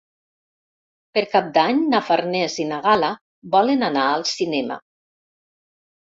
Per Cap d'Any na Farners i na Gal·la volen anar al cinema.